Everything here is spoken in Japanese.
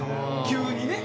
急にね。